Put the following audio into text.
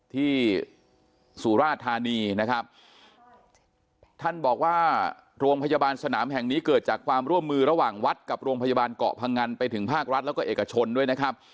ที่สุราธานีนะครับท่านบอกว่าโรงพยาบาลสนามแห่งนี้เกิดจากความร่วมมือระหว่างวัดกับโรงพยาบาลเกาะพังอันไปถึงภาครัฐแล้วก็เอกชนด้วยนะครับ